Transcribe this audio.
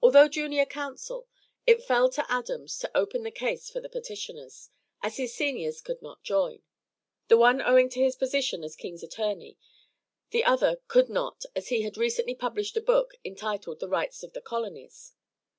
Although junior counsel, it fell to Adams to open the case for the petitioners, as his seniors could not join; the one owing to his position as King's attorney, the other could not as he had recently published a book entitled the 'Rights of the Colonies.'